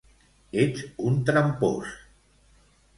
Ets un trampós!